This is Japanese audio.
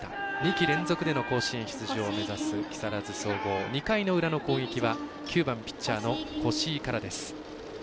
２季連続で甲子園を目指す木更津総合、２回の裏の攻撃は９番ピッチャーの越井から。